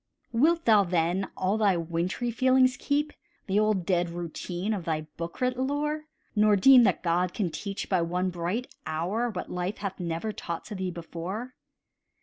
Wilt thou, then, all thy wintry feelings keep, The old dead routine of thy book writ lore, Nor deem that God can teach, by one bright hour, What life hath never taught to thee before?